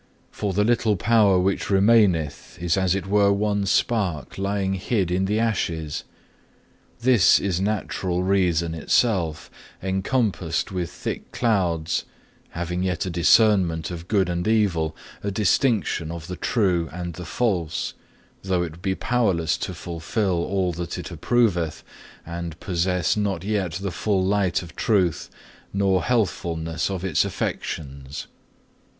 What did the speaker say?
For the little power which remaineth is as it were one spark lying hid in the ashes. This is Natural reason itself, encompassed with thick clouds, having yet a discernment of good and evil, a distinction of the true and the false, though it be powerless to fulfil all that it approveth, and possess not yet the full light of truth, nor healthfulness of its affections.